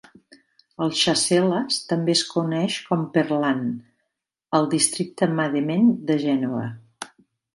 El Chasselas també es coneix com "Perlan" al districte Mandement de Gènova.